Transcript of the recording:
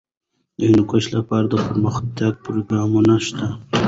د هندوکش لپاره دپرمختیا پروګرامونه شته.